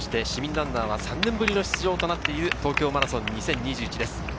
市民ランナーは３年ぶりの出場となっている東京マラソン２０２１です。